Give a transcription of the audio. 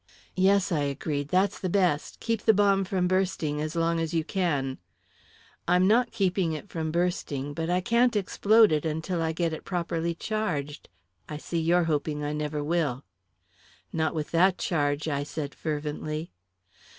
"Yes," I agreed, "that's the best keep the bomb from bursting as long as you can." "I'm not keeping it from bursting; but I can't explode it until I get it properly charged. I see you're hoping I never will." "Not with that charge!" I said fervently.